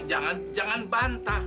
jangan jangan bantah